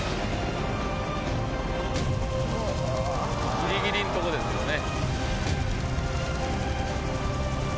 ギリギリのとこですよね。